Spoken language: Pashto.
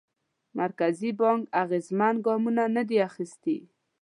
مرکزي بانک اغېزمن ګامونه ندي اخیستي.